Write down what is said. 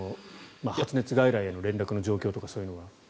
発熱外来への連絡の状況とかそういうのは。